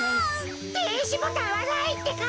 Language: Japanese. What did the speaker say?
ていしボタンはないってか！？